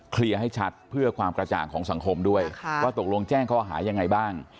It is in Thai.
ให้ชัดเพื่อความกระจ่างของสังคมด้วยว่าตกลงแจ้งข้อหายังไงบ้าง